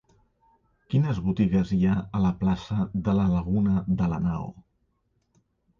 Quines botigues hi ha a la plaça de la Laguna de Lanao?